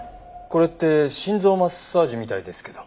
これって心臓マッサージみたいですけど。